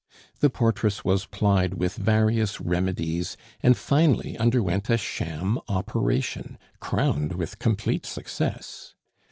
The portress was plied with various remedies, and finally underwent a sham operation, crowned with complete success.